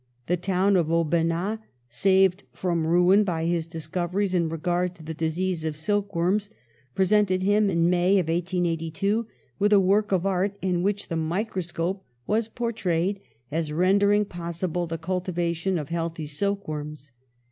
The town of Aubenas, saved from ruin by his discoveries in regard to the disease of silk worms, presented him, in May, 1882, with a work of art in which the microscope was por trayed as rendering possible the cultivation of healthy silk worms.